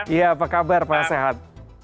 iya apa kabar pak sehat